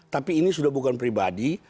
tapi ini sudah bukan pribadi